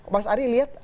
mas ari lihat